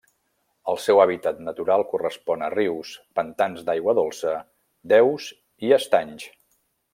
El seu hàbitat natural correspon a rius, pantans d'aigua dolça, deus, i estanys.